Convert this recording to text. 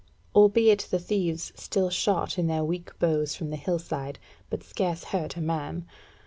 Albeit the thieves still shot in their weak bows from the hill side, but scarce hurt a man.